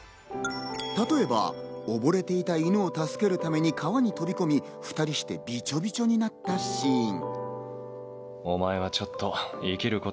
例えば、おぼれていた犬を助けるために川に飛び込み、２人してビチョビチョになったシーン。